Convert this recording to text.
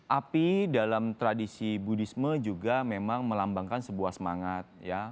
api dalam tradisi budisme juga memang melambangkan sebuah semangat